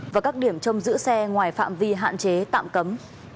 và các điểm trong giữ xe ngoài phạm vi hạn chế tạm cấm